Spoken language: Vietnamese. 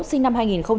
sinh năm hai nghìn hai